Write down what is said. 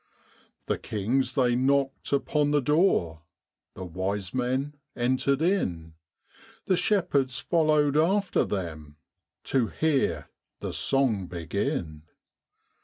The kings they knocked upon the door, The wise men entered in, The shepherds followed after them To hear the song begin.